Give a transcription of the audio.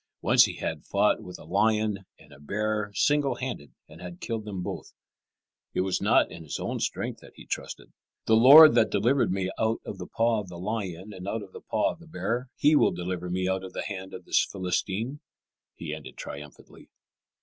Once he had fought with a lion and a bear single handed and had killed them both. [Illustration: Saul puts his own armour on David.] It was not in his own strength that he trusted. "The Lord that delivered me out of the paw of the lion and out of the paw of the bear, He will deliver me out of the hand of this Philistine," he ended triumphantly.